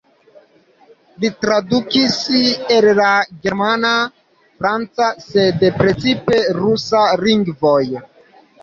Li tradukis el la germana, franca, sed precipe rusa lingvoj.